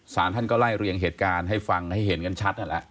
สารท่านก็ไล่เรียงเหตุการณ์ให้ฟังให้เห็นกันชัดนั่นแหละ